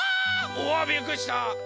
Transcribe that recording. おわっびっくりした！